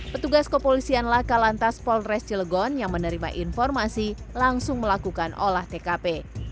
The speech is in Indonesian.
petugas kepolisian laka lantas polres cilegon yang menerima informasi langsung melakukan olah tkp